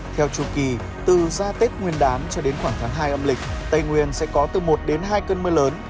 theo chủ kỳ từ ra tết nguyên đán cho đến khoảng tháng hai âm lịch tây nguyên sẽ có từ một đến hai cơn mưa lớn